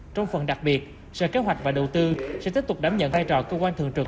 trong phần đặc biệt sở kế hoạch và đầu tư sẽ tiếp tục đảm nhận vai trò cơ quan thường trực